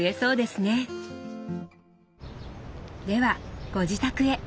ではご自宅へ。